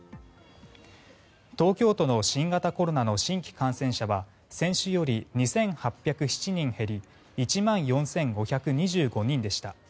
東京都の新型コロナの新規感染者は先週より２８０７人減り１万４５２５人でした。